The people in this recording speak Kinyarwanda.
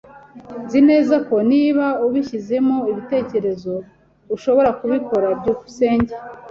Nzi neza ko niba ubishyizemo ibitekerezo, ushobora kubikora. byukusenge